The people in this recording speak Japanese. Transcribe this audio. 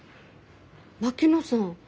槙野さん